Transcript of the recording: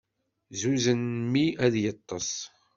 Zuzen mmi ad yeṭṭes.